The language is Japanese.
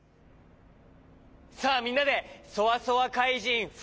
さあみんなでそわそわかいじん